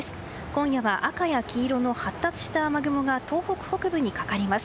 今夜は赤や黄色の発達した雨雲が東北北部にかかります。